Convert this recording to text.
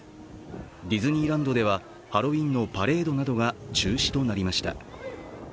ディズニーランドではハロウィーンのパレードなどが中止となりました。